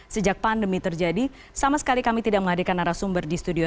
sejak pandemi terjadi sama sekali kami tidak menghadirkan narasumber di studio